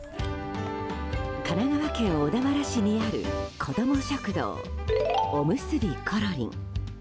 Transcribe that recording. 神奈川県小田原市にある子ども食堂、お結びころりん。